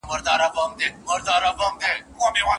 آیا د نهنګ وزن د فیل تر وزن زیات دی؟